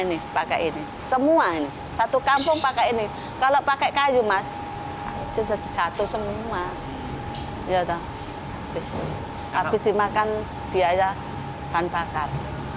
ya habis dimakan biaya tanpa bakar